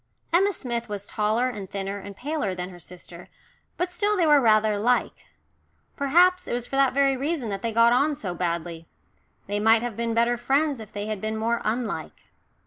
Emma Smith was taller and thinner and paler than her sister, but still they were rather like. Perhaps it was for that very reason that they got on so badly they might have been better friends if they had been more unlike.